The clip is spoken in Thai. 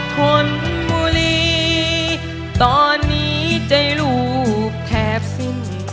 ทนบุรีตอนนี้ใจลูกแทบสิ้น